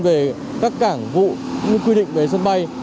về các cảng vụ quy định về sân bay